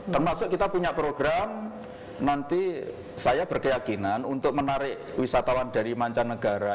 termasuk kita punya program nanti saya berkeyakinan untuk menarik wisatawan dari mancanegara